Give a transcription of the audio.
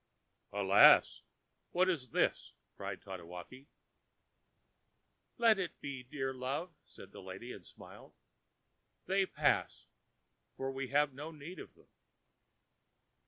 ãAlas! what is this?ã cried Tatewaki. ãLet be, dear love,ã said the lady, and smiled; ãthey pass, for we have no more need of them.